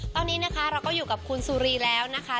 ตอนนี้นะคะเราก็อยู่กับคุณสุรีแล้วนะคะ